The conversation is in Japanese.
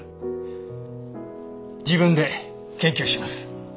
自分で研究します。